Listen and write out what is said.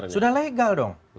sudah legal dong